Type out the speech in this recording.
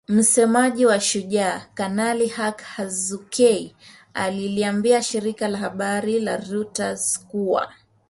Msemaji wa Shujaa, Kanali Mak Hazukay aliliambia shirika la habari la reuters kuwa.